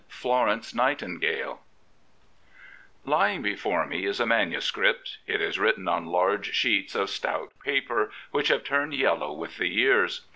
FLORENCE NIGHTINGALE Lying before me is a manuscript. It is written on large sheets of stout paper which have turned yellow with the years.